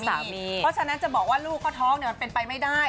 เพราะฉะนั้นจะบอกว่าลูกเขาท้องมันเป็นไปไม่ได้